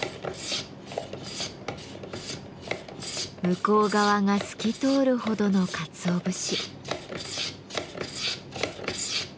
向こう側が透き通るほどのかつお節。